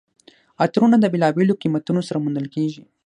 عطرونه د بېلابېلو قیمتونو سره موندل کیږي.